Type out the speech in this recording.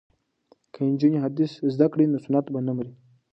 که نجونې حدیث زده کړي نو سنت به نه مري.